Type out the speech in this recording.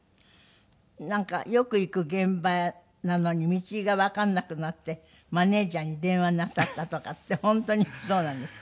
なんかよく行く現場なのに道がわからなくなってマネジャーに電話なさったとかって本当にそうなんですか？